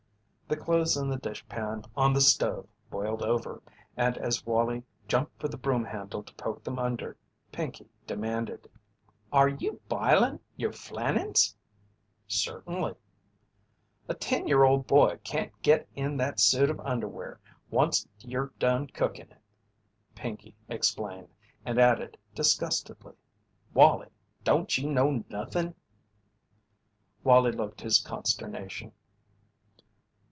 The clothes in the dishpan on the stove boiled over, and as Wallie jumped for the broom handle to poke them under, Pinkey demanded: "Are you bilin' your flannens?" "Certainly." "A ten year ol' boy can't git in that suit of underwear onct you're done cookin' it," Pinkey explained, and added, disgustedly: "Wallie, don't you know nuthin'?" Wallie looked his consternation.